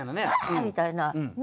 みたいなね。